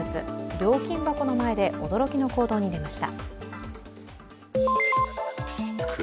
料金箱の前で驚きの行動に出ました。